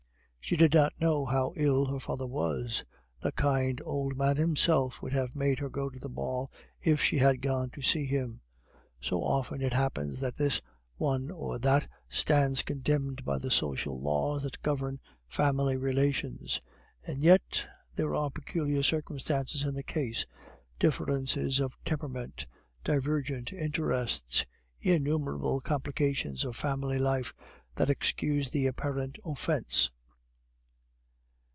She did not know how ill her father was; the kind old man himself would have made her go to the ball if she had gone to see him. So often it happens that this one or that stands condemned by the social laws that govern family relations; and yet there are peculiar circumstances in the case, differences of temperament, divergent interests, innumerable complications of family life that excuse the apparent offence.